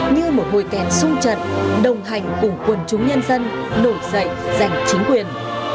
như một hồi kèn sung trận đồng hành cùng quần chúng nhân dân nổi dậy giành chính quyền